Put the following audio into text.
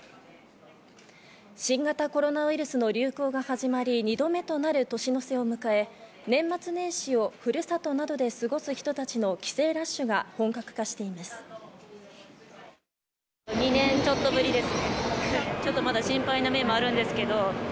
新型コロナウイルスの流行が始まり、２度目となる年の瀬を迎え、年末年始をふるさとなどで過ごす人たちの帰省ラッシュが本格化しています。